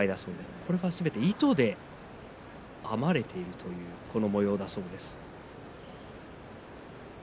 これはすべて糸で編まれているという模様だそうです。